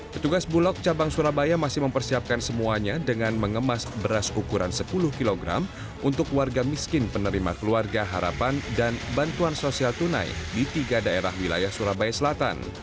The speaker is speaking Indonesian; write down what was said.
petugas bulog cabang surabaya masih mempersiapkan semuanya dengan mengemas beras ukuran sepuluh kg untuk warga miskin penerima keluarga harapan dan bantuan sosial tunai di tiga daerah wilayah surabaya selatan